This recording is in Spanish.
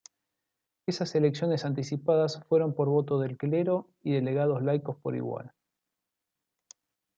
Esas elecciones anticipadas fueron por voto del clero y delegados laicos por igual.